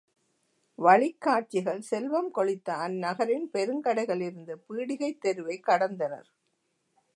வழிக் காட்சிகள் செல்வம் கொழித்த அந்நகரின் பெருங்கடைகள் இருந்த பீடிகைத் தெருவைக் கடந்தனர்.